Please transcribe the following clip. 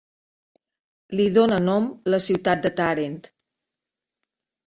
Li dóna nom la ciutat de Tàrent.